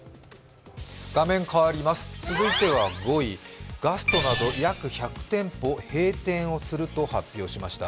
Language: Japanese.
続いては５位、ガストなど約１００店舗閉店をすると発表しました。